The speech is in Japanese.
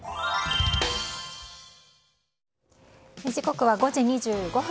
時刻は５時２５分。